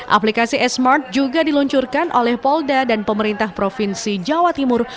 aplikasi e smart juga diluncurkan oleh polda dan pemerintah provinsi jawa timur